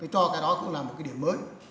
cho cái đó cũng là một cái điểm mới